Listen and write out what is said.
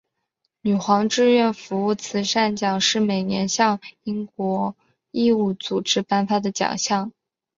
女皇志愿组织慈善服务奖是每年向英国义务组织颁发的奖项。